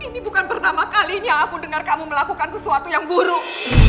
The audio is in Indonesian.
ini bukan pertama kalinya aku dengar kamu melakukan sesuatu yang buruk